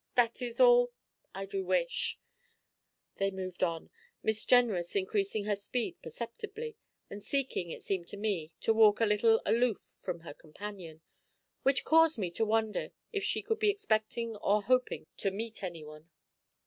That is all I do wish ' They moved on, Miss Jenrys increasing her speed perceptibly, and seeking, it seemed to me, to walk a little aloof from her companion, which caused me to wonder if she could be expecting or hoping to meet anyone.